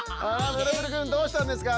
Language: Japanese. ブルブルくんどうしたんですか？